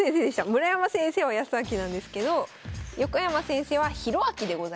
村山先生はやすあきなんですけど横山先生はひろあきでございます。